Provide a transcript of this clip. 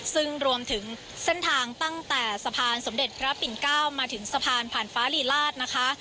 ซึ่งรวมถึงเส้นทางตั้งแต่สะพานสมเด็จพระปิ่นเก้ามาถึงสะพานผ่านฟ้าลีลาศนะคะ